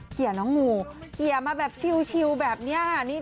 เขี่ยน้องงูเขี่ยมาแบบชิวแบบนี้